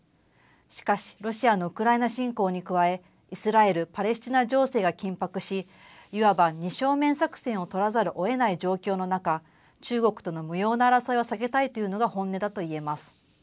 しかし、ロシアのウクライナ侵攻に加え、イスラエル・パレスチナ情勢が緊迫し、いわば二正面作戦を取らざるをえない状況の中、中国との無用な争いは避けたいというのが本音だといえます。